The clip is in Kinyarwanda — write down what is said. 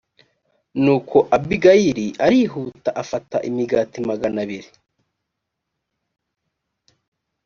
nuko abigayili l arihuta afata imigati magana abiri